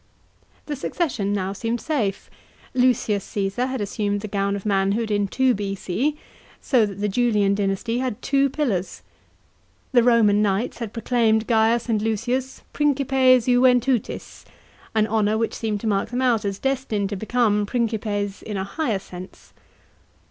The succession now seemed safe. L. Caesar had assumed the gown of manhood in 2 B.C. so that the Julian dynasty had two pillars. The Roman knights had proclaimed Gaius and Lucius principes iuventutis, an honour which seemed to mark them out as destined to become principes in a higher sense.